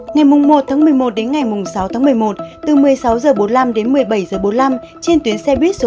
ngày một một mươi một đến ngày sáu một mươi một từ một mươi sáu h bốn mươi năm đến một mươi bảy h bốn mươi năm trên tuyến xe vít số hai mươi hai a